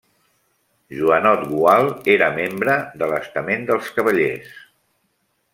Joanot Gual era membre de l'estament dels cavallers.